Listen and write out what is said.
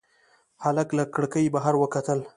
هلک له کړکۍ بهر وکتل.